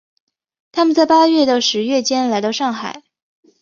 他们在八月到十月间来到上海。